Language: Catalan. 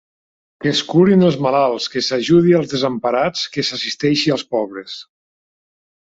Que es curin els malalts, que s'ajudi als desemparats, que s'assisteixi als pobres.